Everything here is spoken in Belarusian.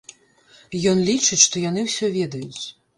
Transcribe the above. Ён лічыць, што яны ўсё ведаюць.